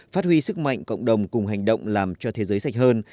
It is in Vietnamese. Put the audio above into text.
phát huy sức mạnh cộng đồng cùng hành động làm cho thế giới sạch hơn